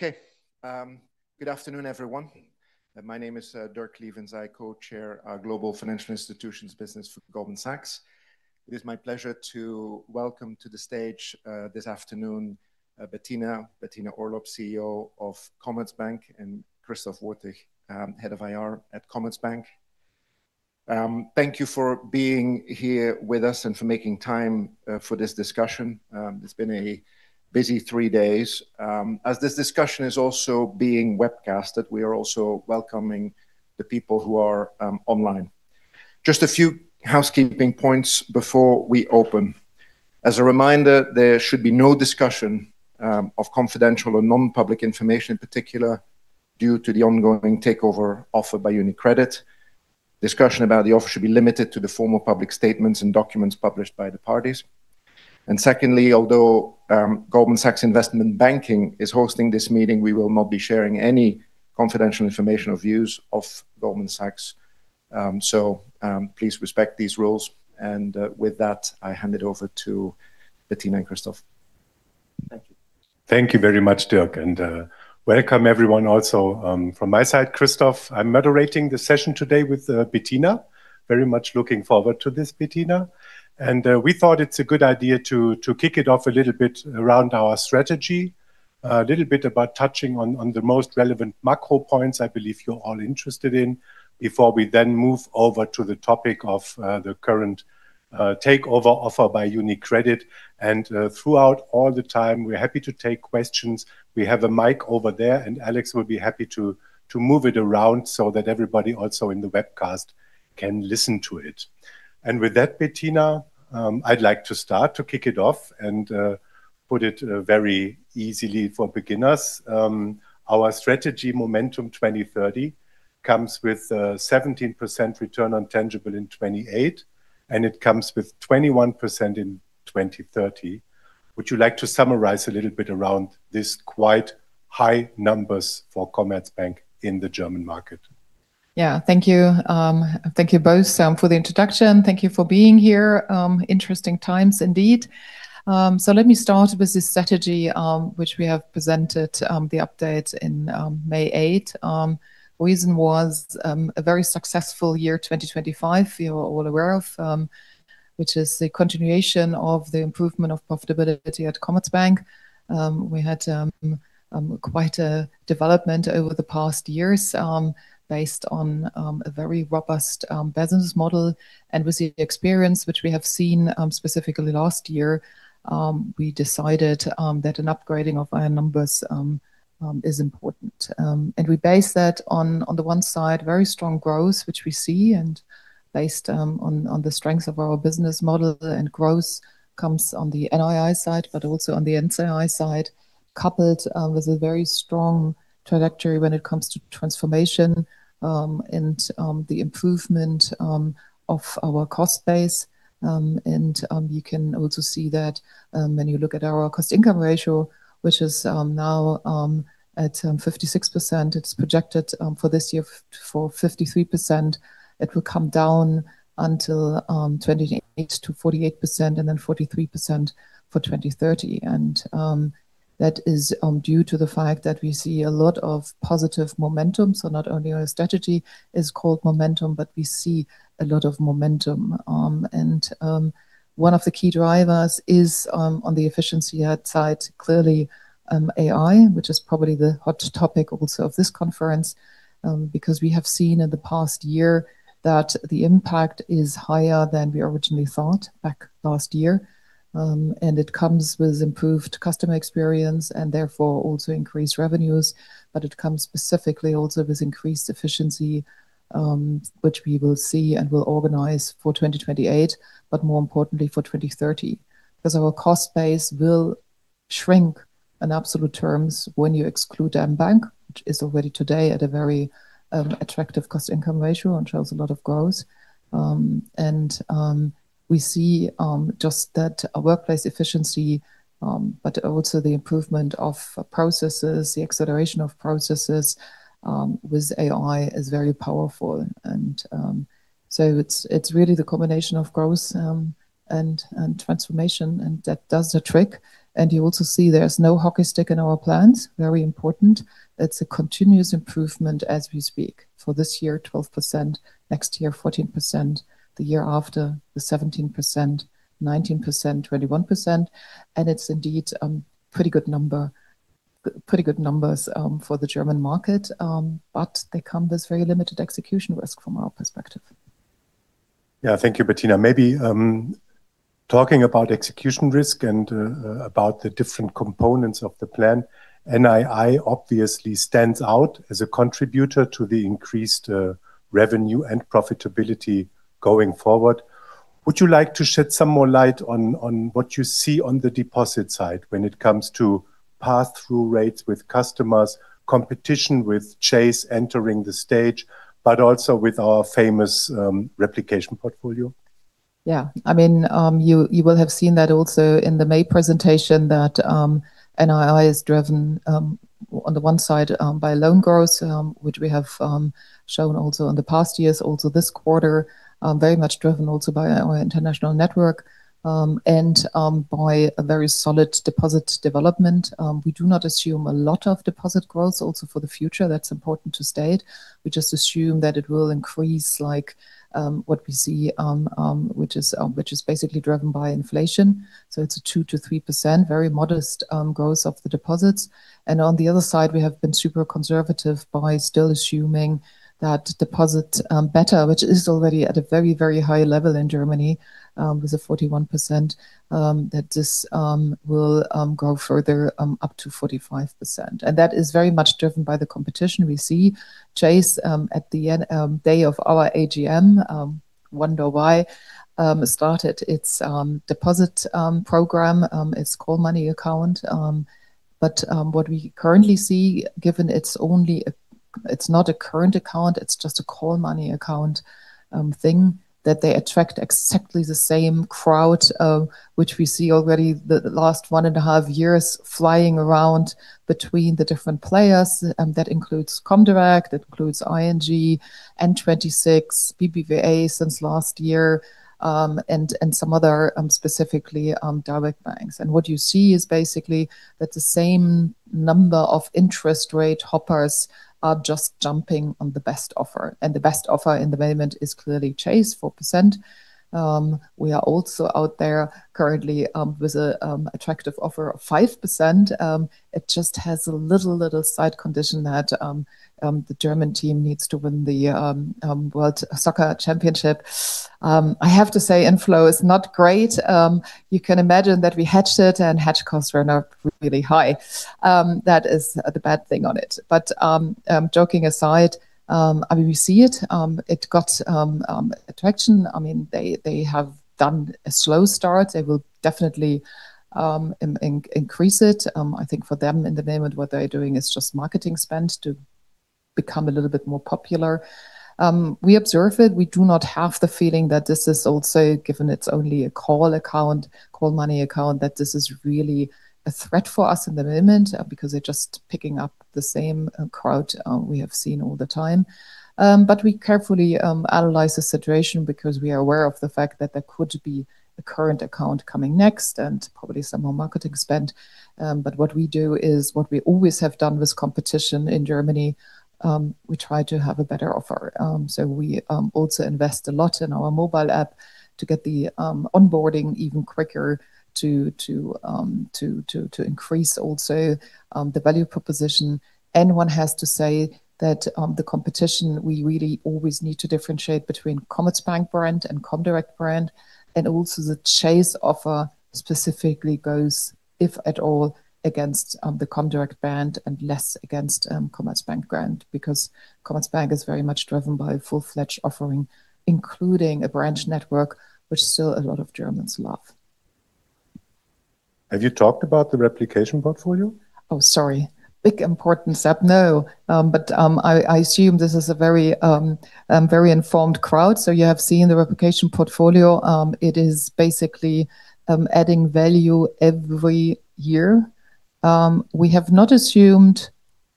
Okay. Good afternoon, everyone. My name is Dirk Lievens. I co-chair our global financial institutions business for Goldman Sachs. It is my pleasure to welcome to the stage this afternoon, Bettina Orlopp, CEO of Commerzbank, and Christoph Wortig, Head of IR at Commerzbank. Thank you for being here with us and for making time for this discussion. It's been a busy three days. As this discussion is also being webcasted, we are also welcoming the people who are online. Just a few housekeeping points before we open. As a reminder, there should be no discussion of confidential or non-public information in particular, due to the ongoing takeover offer by UniCredit. Discussion about the offer should be limited to the formal public statements and documents published by the parties. Secondly, although Goldman Sachs Investment Banking is hosting this meeting, we will not be sharing any confidential information or views of Goldman Sachs. Please respect these rules. With that, I hand it over to Bettina and Christoph. Thank you. Thank you very much, Dirk. Welcome everyone also from my side, Christoph. I'm moderating the session today with Bettina. Very much looking forward to this, Bettina. We thought it's a good idea to kick it off a little bit around our strategy. A little bit about touching on the most relevant macro points I believe you're all interested in, before we then move over to the topic of the current takeover offer by UniCredit. Throughout all the time, we're happy to take questions. We have a mic over there, and Alex will be happy to move it around so that everybody also in the webcast can listen to it. With that, Bettina, I'd like to start to kick it off and put it very easily for beginners. Our strategy, Momentum 2030, comes with a 17% return on tangible in 2028, and it comes with 21% in 2030. Would you like to summarize a little bit around this quite high numbers for Commerzbank in the German market? Thank you both for the introduction. Thank you for being here. Interesting times indeed. Let me start with this strategy, which we have presented the update in May 8. Reason was a very successful year, 2025, you are all aware of, which is the continuation of the improvement of profitability at Commerzbank. We had quite a development over the past years, based on a very robust business model and with the experience which we have seen, specifically last year, we decided that an upgrading of our numbers is important. We base that on the one side, very strong growth which we see, and based on the strength of our business model and growth comes on the NII side, but also on the NCI side, coupled with a very strong trajectory when it comes to transformation, and the improvement of our cost base. You can also see that when you look at our cost-income ratio, which is now at 56%, it is projected for this year for 53%. It will come down until 2028 to 48%, and then 43% for 2030. That is due to the fact that we see a lot of positive momentum. Not only our strategy is called Momentum, but we see a lot of momentum. One of the key drivers is, on the efficiency side, clearly AI, which is probably the hot topic also of this conference, because we have seen in the past year that the impact is higher than we originally thought back last year. It comes with improved customer experience and therefore also increased revenues, but it comes specifically also with increased efficiency, which we will see and will organize for 2028, but more importantly for 2030. Because our cost base will shrink in absolute terms when you exclude mBank, which is already today at a very attractive cost-income ratio and shows a lot of growth. We see just that workplace efficiency, but also the improvement of processes, the acceleration of processes, with AI is very powerful. It's really the combination of growth and transformation, and that does the trick. You also see there's no hockey stick in our plans. Very important. It's a continuous improvement as we speak. For this year, 12%, next year, 14%, the year after, the 17%, 19%, 21%. It's indeed pretty good numbers for the German market, but they come with very limited execution risk from our perspective. Yeah. Thank you, Bettina. Maybe talking about execution risk and about the different components of the plan. NII obviously stands out as a contributor to the increased revenue and profitability going forward. Would you like to shed some more light on what you see on the deposit side when it comes to pass-through rates with customers, competition with Chase entering the stage, but also with our famous replicating portfolio? Yeah. You will have seen that also in the May presentation that NII is driven on the one side by loan growth, which we have shown also in the past years, also this quarter, very much driven also by our international network, and by a very solid deposit development. We do not assume a lot of deposit growth also for the future. That's important to state. We just assume that it will increase like what we see, which is basically driven by inflation. It's a 2%-3%, very modest growth of the deposits. On the other side, we have been super conservative by still assuming that deposit beta, which is already at a very high level in Germany, with a 41%, that this will go further up to 45%. That is very much driven by the competition we see. Chase, at the day of our AGM, wonder why, started its deposit program, its call money account. What we currently see, given it's not a current account, it's just a call money account thing, that they attract exactly the same crowd which we see already the last one and a half years flying around between the different players. That includes comdirect, that includes ING, N26, BBVA since last year, and some other specifically direct banks. What you see is basically that the same number of interest rate hoppers are just jumping on the best offer. The best offer in the moment is clearly Chase 4%. We are also out there currently with an attractive offer of 5%. It just has a little side condition that the German team needs to win the World Soccer Championship. I have to say inflow is not great. You can imagine that we hedged it and hedge costs were now really high. That is the bad thing on it. Joking aside, we see it. It got attraction. They have done a slow start. They will definitely increase it. I think for them in the moment, what they're doing is just marketing spend to become a little bit more popular. We observe it. We do not have the feeling that this is also, given it's only a call money account, that this is really a threat for us in the moment because they're just picking up the same crowd we have seen all the time. We carefully analyze the situation because we are aware of the fact that there could be a current account coming next and probably some more marketing spend. What we do is what we always have done with competition in Germany. We try to have a better offer. We also invest a lot in our mobile app to get the onboarding even quicker to increase also the value proposition. One has to say that the competition, we really always need to differentiate between Commerzbank brand and comdirect brand. Also the Chase offer specifically goes, if at all, against the comdirect brand and less against Commerzbank brand, because Commerzbank is very much driven by full-fledged offering, including a branch network, which still a lot of Germans love. Have you talked about the replicating portfolio? Sorry. Big important step. I assume this is a very informed crowd. You have seen the replicating portfolio. It is basically adding value every year. We have not assumed,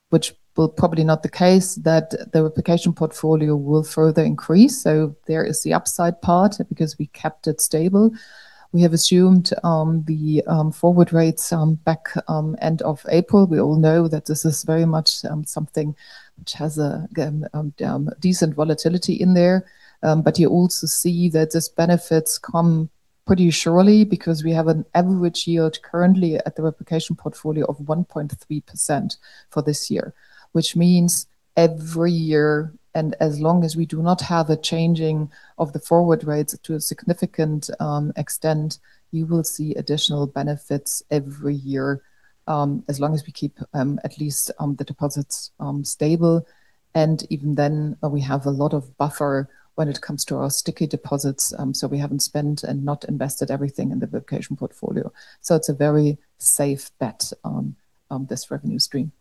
which will probably not the case, that the replicating portfolio will further increase. There is the upside part because we kept it stable. We have assumed the forward rates back end of April. We all know that this is very much something which has a decent volatility in there. You also see that these benefits come pretty surely because we have an average yield currently at the replicating portfolio of 1.3% for this year, which means every year, and as long as we do not have a changing of the forward rates to a significant extent, you will see additional benefits every year, as long as we keep at least the deposits stable. Even then, we have a lot of buffer when it comes to our sticky deposits, so we haven't spent and not invested everything in the replicating portfolio. It's a very safe bet on this revenue stream.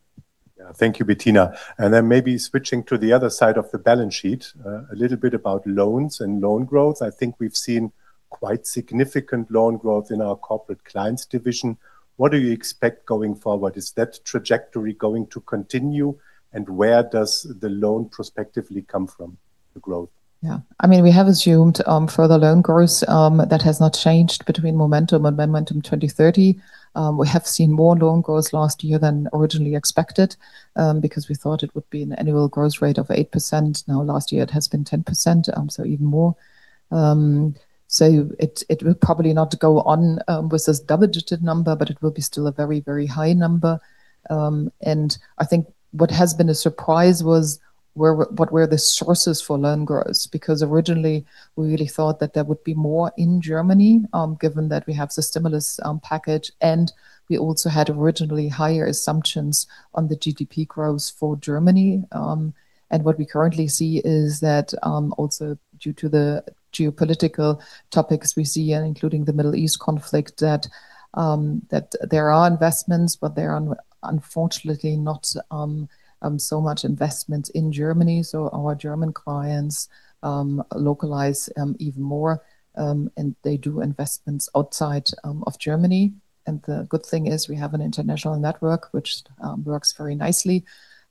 Yeah. Thank you, Bettina. Then maybe switching to the other side of the balance sheet, a little bit about loans and loan growth. I think we've seen quite significant loan growth in our Corporate Clients division. What do you expect going forward? Is that trajectory going to continue? Where does the loan prospectively come from, the growth? Yeah. We have assumed further loan growth, that has not changed between Momentum and Momentum 2030. We have seen more loan growth last year than originally expected, because we thought it would be an annual growth rate of 8%. Last year it has been 10%, so even more. It will probably not go on with this double-digit number, but it will be still a very high number. I think what has been a surprise was what were the sources for loan growth? Originally, we really thought that there would be more in Germany, given that we have the stimulus package, and we also had originally higher assumptions on the GDP growth for Germany. What we currently see is that, also due to the geopolitical topics we see, including the Middle East conflict, that there are investments, but there are unfortunately not so much investment in Germany. Our German clients localize even more, and they do investments outside of Germany. The good thing is we have an international network, which works very nicely.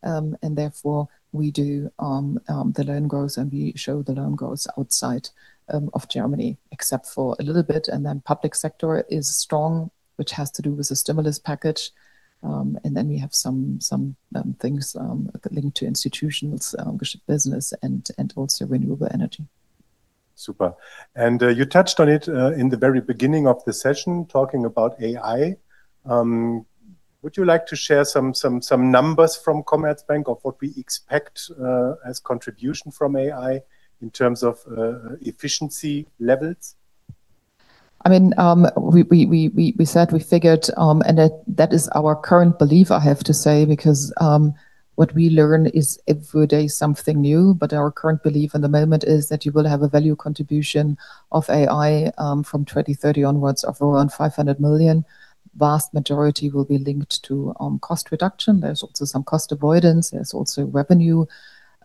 Therefore, we do the loan growth, and we show the loan growth outside of Germany except for a little bit. Public sector is strong, which has to do with the stimulus package. We have some things that link to institutions, business, and also renewable energy. Super. You touched on it in the very beginning of the session talking about AI. Would you like to share some numbers from Commerzbank of what we expect as contribution from AI in terms of efficiency levels? We said we figured, that is our current belief, I have to say, because what we learn is every day something new. Our current belief at the moment is that you will have a value contribution of AI from 2030 onwards of around 500 million. Vast majority will be linked to cost reduction. There's also some cost avoidance. There's also revenue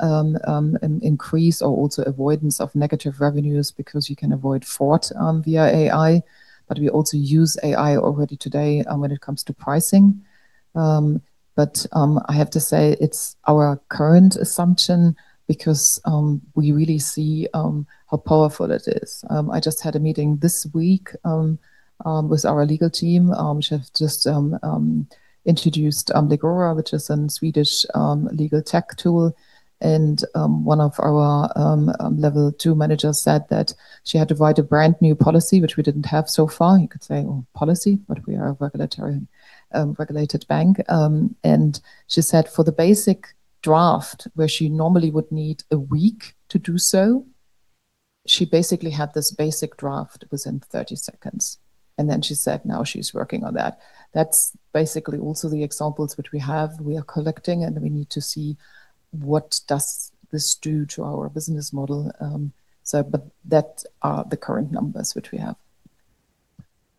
increase or also avoidance of negative revenues because you can avoid fraud via AI. We also use AI already today when it comes to pricing. I have to say, it's our current assumption because we really see how powerful it is. I just had a meeting this week with our legal team, which have just introduced Legora, which is a Swedish legal tech tool. One of our level 2 managers said that she had to write a brand new policy, which we didn't have so far. You could say, policy? We are a regulated bank. She said for the basic draft, where she normally would need a week to do so, she basically had this basic draft within 30 seconds. She said now she's working on that. That's basically also the examples which we have, we are collecting, and we need to see what does this do to our business model. That are the current numbers which we have.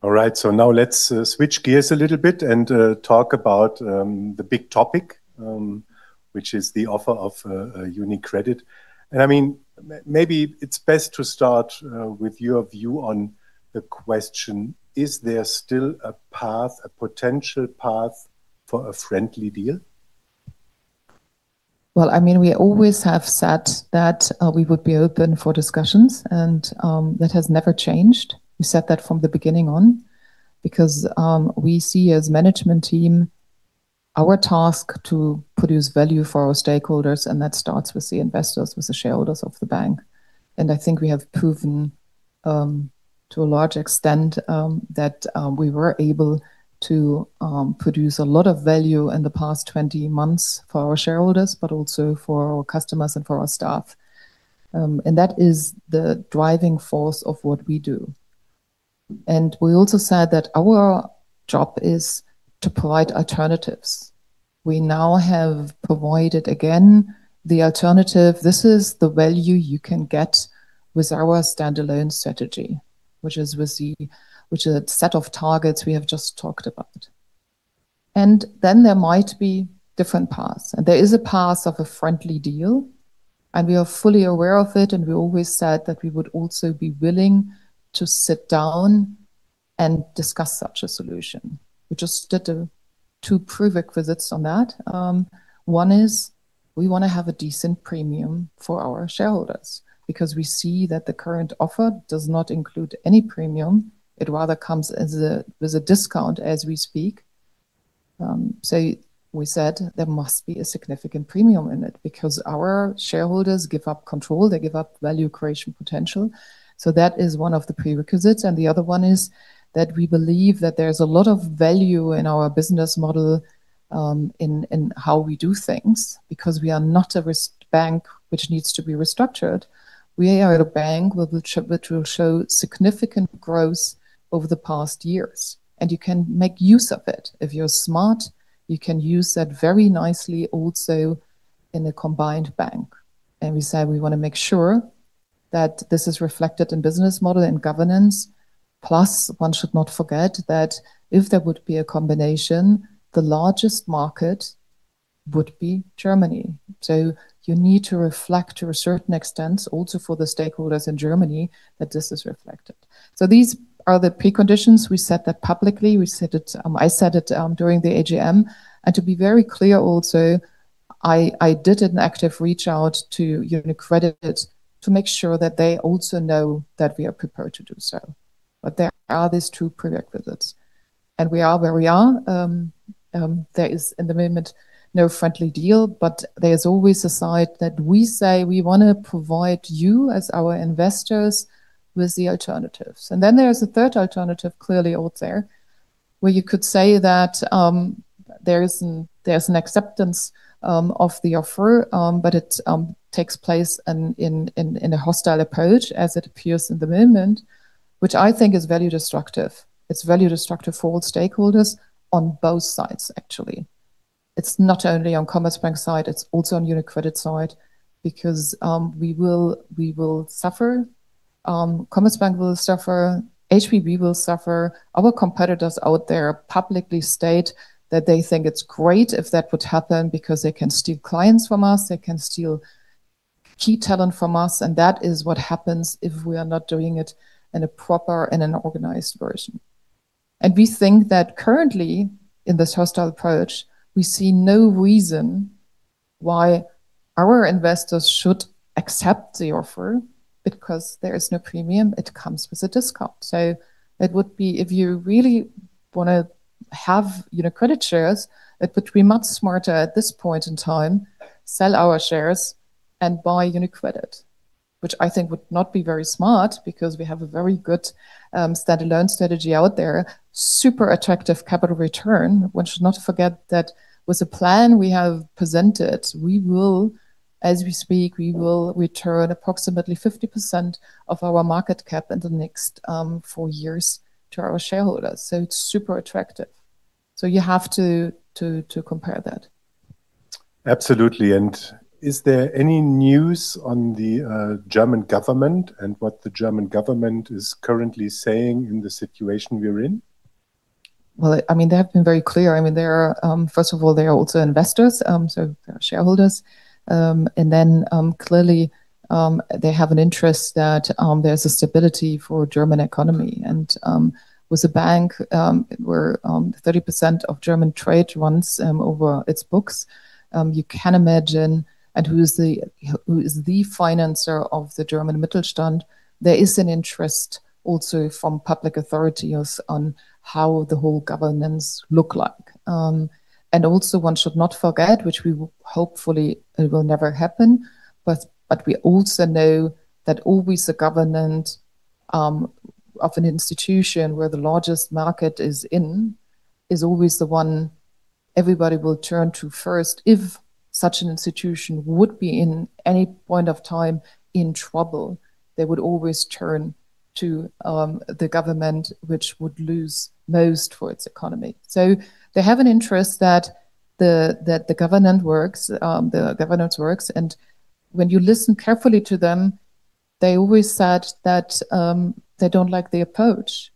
All right. Now let's switch gears a little bit and talk about the big topic, which is the offer of UniCredit. Maybe it's best to start with your view on the question: Is there still a path, a potential path, for a friendly deal? We always have said that we would be open for discussions, and that has never changed. We said that from the beginning on, because we see as management team our task to produce value for our stakeholders, and that starts with the investors, with the shareholders of the bank. I think we have proven to a large extent that we were able to produce a lot of value in the past 20 months for our shareholders, but also for our customers and for our staff. That is the driving force of what we do. We also said that our job is to provide alternatives. We now have provided, again, the alternative. This is the value you can get with our standalone strategy, which is with the set of targets we have just talked about. Then there might be different paths. There is a path of a friendly deal, and we are fully aware of it, and we always said that we would also be willing to sit down and discuss such a solution. We just set two prerequisites on that. One is we want to have a decent premium for our shareholders because we see that the current offer does not include any premium. It rather comes as a discount as we speak. We said there must be a significant premium in it because our shareholders give up control, they give up value creation potential. That is one of the prerequisites, and the other one is that we believe that there's a lot of value in our business model in how we do things because we are not a risk bank which needs to be restructured. We are a bank which will show significant growth over the past years, and you can make use of it. If you're smart, you can use that very nicely also in a combined bank. We said we want to make sure that this is reflected in business model and governance. One should not forget that if there would be a combination, the largest market would be Germany. You need to reflect to a certain extent, also for the stakeholders in Germany, that this is reflected. These are the preconditions. We said that publicly. I said it during the AGM. To be very clear also, I did an active reach out to UniCredit to make sure that they also know that we are prepared to do so. There are these two prerequisites. We are where we are. There is, at the moment, no friendly deal, but there's always a side that we say we want to provide you as our investors with the alternatives. There is a third alternative clearly out there where you could say that there's an acceptance of the offer, but it takes place in a hostile approach as it appears at the moment, which I think is value destructive. It's value destructive for all stakeholders on both sides, actually. It's not only on Commerzbank side, it's also on UniCredit side, because we will suffer, Commerzbank will suffer, HVB will suffer. Our competitors out there publicly state that they think it's great if that would happen because they can steal clients from us, they can steal key talent from us, and that is what happens if we are not doing it in a proper and an organized version. We think that currently in this hostile approach, we see no reason why our investors should accept the offer because there is no premium. It comes with a discount. It would be if you really want to have UniCredit shares, it would be much smarter at this point in time, sell our shares and buy UniCredit, which I think would not be very smart because we have a very good stand-alone strategy out there, super attractive capital return. One should not forget that with the plan we have presented, as we speak, we will return approximately 50% of our market cap in the next four years to our shareholders. It's super attractive. You have to compare that. Absolutely. Is there any news on the German government and what the German government is currently saying in the situation we're in? Well, they have been very clear. First of all, they are also investors, so shareholders. Clearly, they have an interest that there is a stability for German economy. With a bank where 30% of German trade runs over its books, you can imagine, and who is the financer of the German Mittelstand, there is an interest also from public authorities on how the whole governance look like. Also one should not forget, which hopefully it will never happen, but we also know that always the government of an institution where the largest market is in is always the one everybody will turn to first. If such an institution would be in any point of time in trouble, they would always turn to the government, which would lose most for its economy. They have an interest that the governance works. When you listen carefully to them, they always said that they don't like the approach,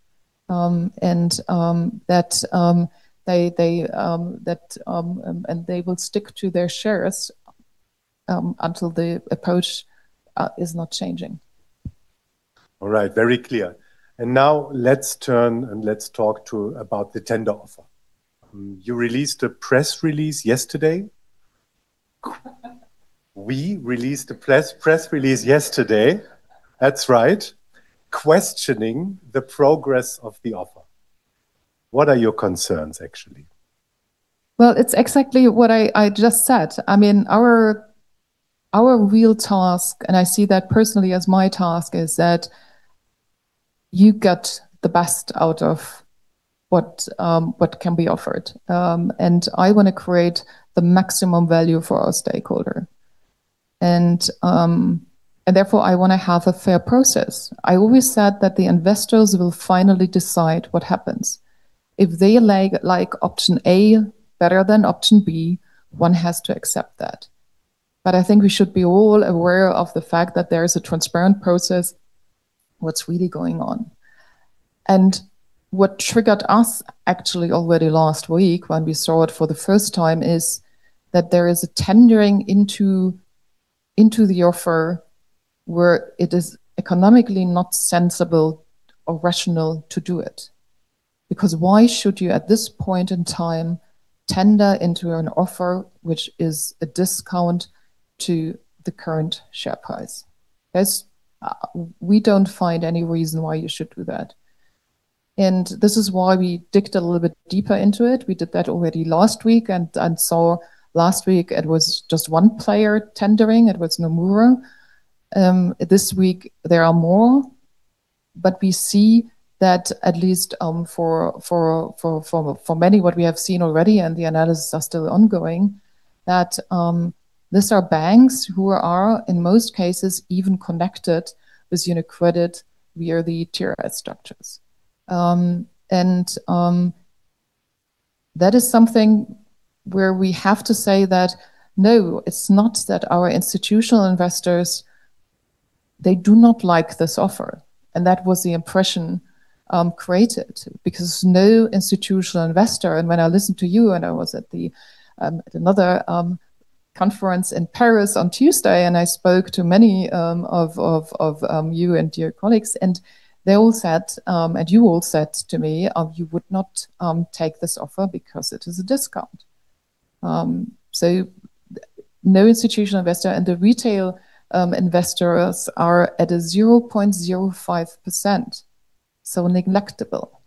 and they will stick to their shares until the approach is not changing. All right. Very clear. Now let's turn and let's talk about the tender offer. You released a press release yesterday. We released a press release yesterday, that's right, questioning the progress of the offer. What are your concerns, actually? Well, it's exactly what I just said. Our real task, and I see that personally as my task, is that you get the best out of what can be offered. I want to create the maximum value for our stakeholder, and therefore, I want to have a fair process. I always said that the investors will finally decide what happens. If they like option A better than option B, one has to accept that. I think we should be all aware of the fact that there is a transparent process, what's really going on. What triggered us actually already last week when we saw it for the first time, is that there is a tendering into the offer where it is economically not sensible or rational to do it, because why should you, at this point in time, tender into an offer which is a discount to the current share price? We don't find any reason why you should do that. This is why we dug a little bit deeper into it. We did that already last week and saw last week it was just one player tendering. It was Nomura. This week there are more, but we see that at least for many, what we have seen already, and the analysis are still ongoing, that these are banks who are, in most cases, even connected with UniCredit via the tier structures. That is something where we have to say that, no, it's not that our institutional investors, they do not like this offer, and that was the impression created because no institutional investor, and when I listened to you when I was at another conference in Paris on Tuesday, and I spoke to many of you and your colleagues, and they all said, and you all said to me, you would not take this offer because it is a discount. No institutional investor, and the retail investors are at a 0.05%, so negligible.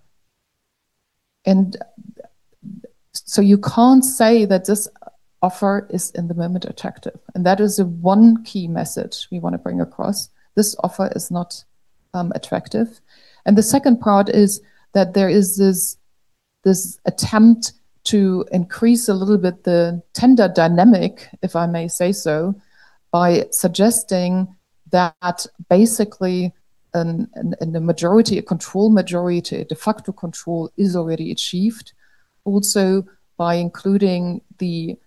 You can't say that this offer is in the moment attractive, and that is the one key message we want to bring across. This offer is not attractive. The second part is that there is this attempt to increase a little bit the tender dynamic, if I may say so, by suggesting that basically in the majority, a control majority, a de facto control is already achieved also by including the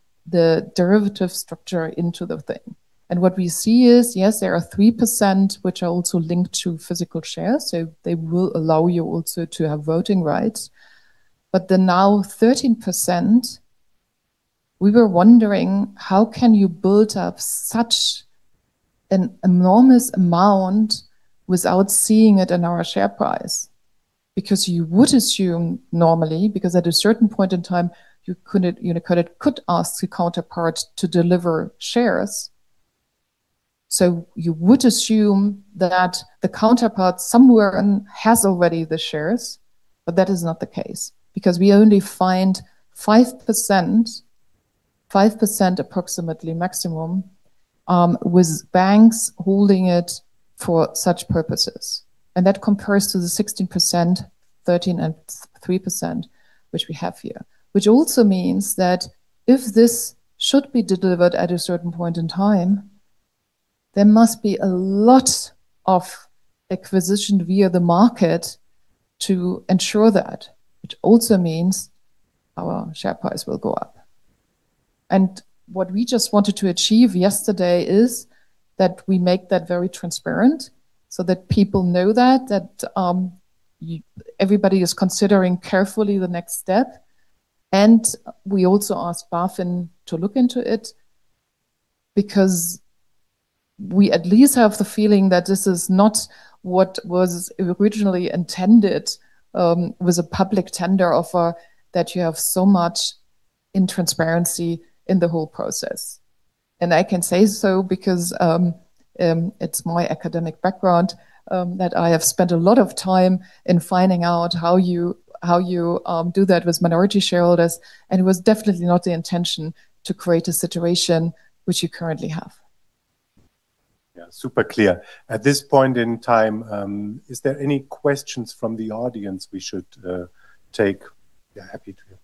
derivative structure into the thing. What we see is, yes, there are 3%, which are also linked to physical shares, so they will allow you also to have voting rights. The now 13%, we were wondering, how can you build up such an enormous amount without seeing it in our share price? You would assume normally, because at a certain point in time, UniCredit could ask the counterpart to deliver shares. You would assume that the counterpart somewhere has already the shares, but that is not the case, because we only find 5% approximately maximum, with banks holding it for such purposes. That compares to the 16%, 13%, and 3%, which we have here. Which also means that if this should be delivered at a certain point in time, there must be a lot of acquisition via the market to ensure that, which also means our share price will go up. What we just wanted to achieve yesterday is that we make that very transparent so that people know that everybody is considering carefully the next step. We also asked BaFin to look into it because we at least have the feeling that this is not what was originally intended with a public tender offer, that you have so much intransparency in the whole process. I can say so because it's my academic background, that I have spent a lot of time in finding out how you do that with minority shareholders, and it was definitely not the intention to create a situation which you currently have. Yeah, super clear. At this point in time, is there any questions from the audience we should take? Yeah, happy to hear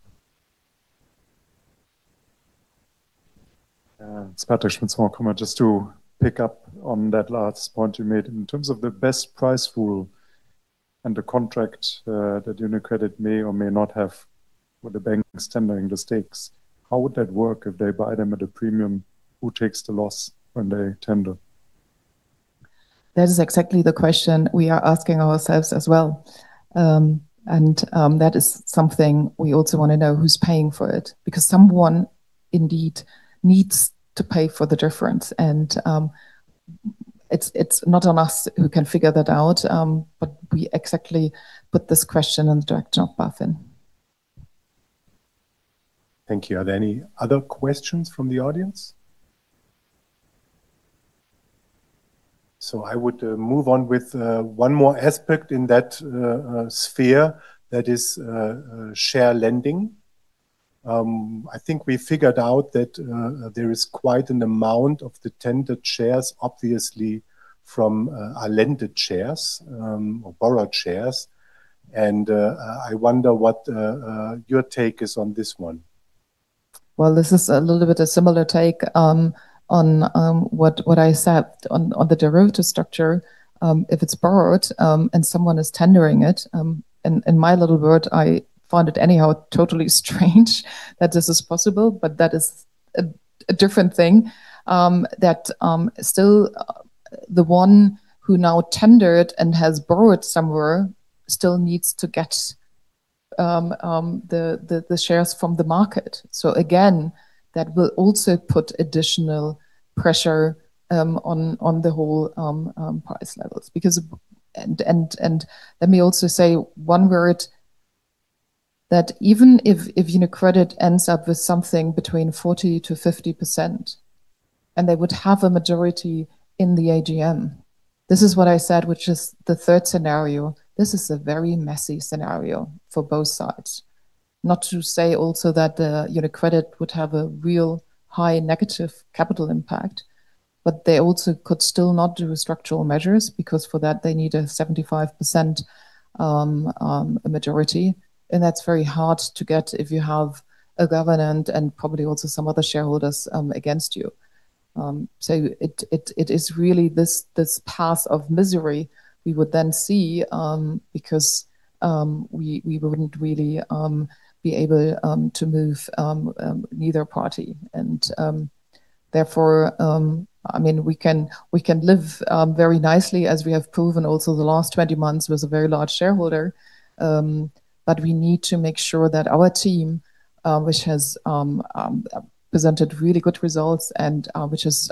them. It's Patrick from [small commercial store]. Just to pick up on that last point you made. In terms of the best price rule and the contract that UniCredit may or may not have with the banks tendering the stakes, how would that work if they buy them at a premium? Who takes the loss when they tender? That is exactly the question we are asking ourselves as well. That is something we also want to know who's paying for it, because someone indeed needs to pay for the difference. It's not on us who can figure that out, but we exactly put this question in the direction of BaFin. Thank you. Are there any other questions from the audience? I would move on with one more aspect in that sphere, that is share lending. I think we figured out that there is quite an amount of the tendered shares, obviously, from our lended shares, or borrowed shares, and I wonder what your take is on this one. Well, this is a little bit a similar take on what I said on the derivative structure. If it's borrowed, and someone is tendering it, in my little world, I find it anyhow totally strange that this is possible, but that is a different thing, that still the one who now tendered and has borrowed somewhere still needs to get the shares from the market. Again, that will also put additional pressure on the whole price levels because, let me also say one word, that even if UniCredit ends up with something between 40%-50%, and they would have a majority in the AGM, this is what I said, which is the third scenario. This is a very messy scenario for both sides. Not to say also that UniCredit would have a real high negative capital impact. They also could still not do structural measures, because for that, they need a 75% majority. That's very hard to get if you have a government and probably also some other shareholders against you. It is really this path of misery we would then see, because we wouldn't really be able to move neither party. Therefore, we can live very nicely, as we have proven also the last 20 months with a very large shareholder, but we need to make sure that our team, which has presented really good results and which is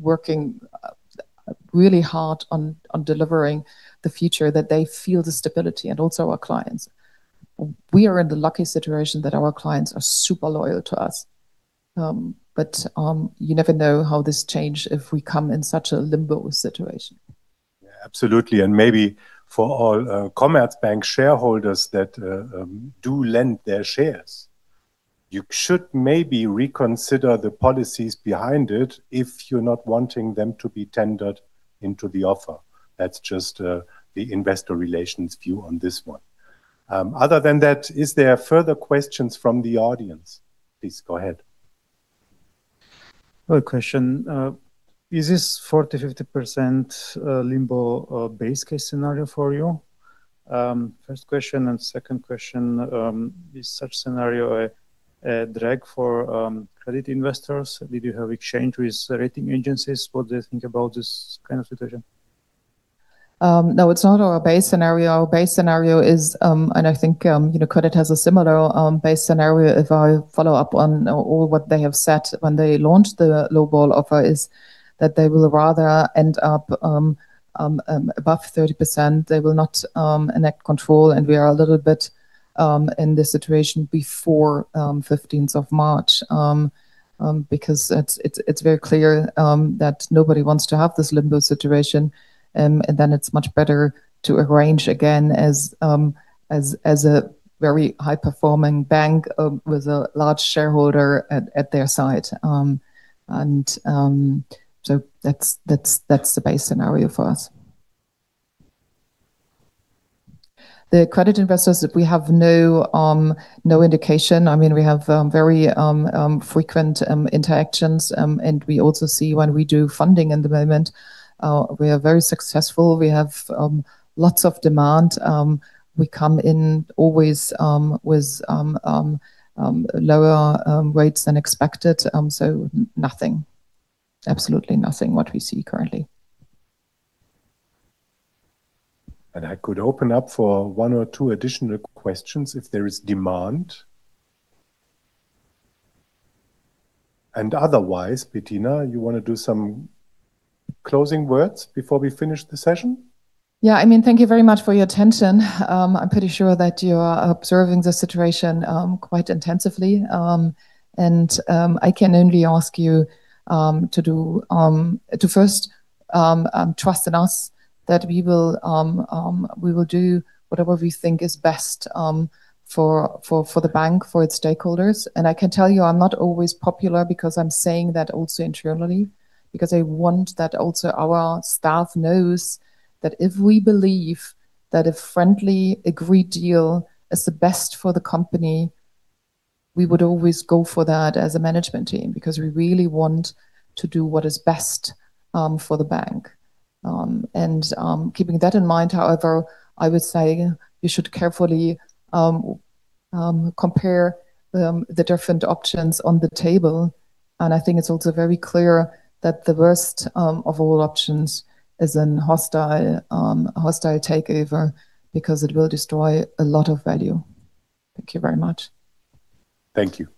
working really hard on delivering the future, that they feel the stability, and also our clients. We are in the lucky situation that our clients are super loyal to us, but you never know how this change if we come in such a limbo situation. Absolutely. Maybe for all Commerzbank shareholders that do lend their shares, you should maybe reconsider the policies behind it if you're not wanting them to be tendered into the offer. That's just the Investor Relations view on this one. Other than that, is there further questions from the audience? Please go ahead. One question. Is this 40%, 50% limbo a base case scenario for you? First question, and second question, is such scenario a drag for credit investors? Did you have exchange with rating agencies? What they think about this kind of situation? No, it's not our base scenario. Our base scenario is, and I think UniCredit has a similar base scenario, if I follow up on all what they have said when they launched the lowball offer, is that they will rather end up above 30%, they will not enact control, and we are a little bit in this situation before 15th of March. It's very clear that nobody wants to have this limbo situation, and then it's much better to arrange again as a very high-performing bank with a large shareholder at their side. That's the base scenario for us. The credit investors, we have no indication. We have very frequent interactions, and we also see when we do funding in the moment, we are very successful. We have lots of demand. We come in always with lower rates than expected. Nothing, absolutely nothing what we see currently. I could open up for one or two additional questions if there is demand. Otherwise, Bettina, you want to do some closing words before we finish the session? Yeah. Thank you very much for your attention. I'm pretty sure that you are observing the situation quite intensively. I can only ask you to first trust in us that we will do whatever we think is best for the bank, for its stakeholders. I can tell you, I'm not always popular because I'm saying that also internally, because I want that also our staff knows that if we believe that a friendly, agreed deal is the best for the company, we would always go for that as a management team, because we really want to do what is best for the bank. Keeping that in mind, however, I would say you should carefully compare the different options on the table, and I think it's also very clear that the worst of all options is a hostile takeover because it will destroy a lot of value. Thank you very much. Thank you.